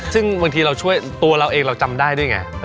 ซึ่งบางทีเราช่วยตัวเราเองเราจำได้ด้วยไง